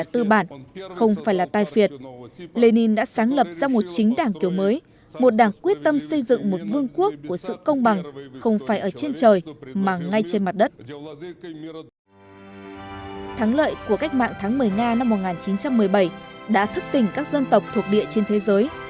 thắng lợi của cách mạng tháng một mươi nga năm một nghìn chín trăm một mươi bảy đã thức tỉnh các dân tộc thuộc địa trên thế giới